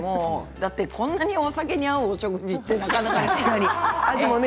だってこんなにお酒に合うお食事ってないじゃないですか。